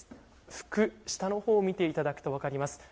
服、下のほうを見ていただくと分かります。